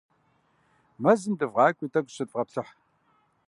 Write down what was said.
Мэзым дывгъакӀуи, тӀэкӀу зыщыдвгъэплъыхь.